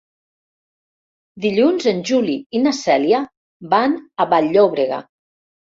Dilluns en Juli i na Cèlia van a Vall-llobrega.